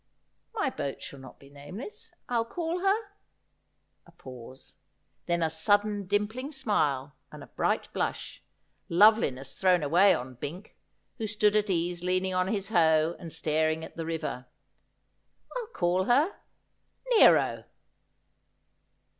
' My boat shall not be nameless. I'll call her ' A pause, then a sudden dimpling smile and a bright blush, loveliness thrown away on Bink, who stood at ease leaning on his hoe and staring at the river. ' I'll call her — Nero.'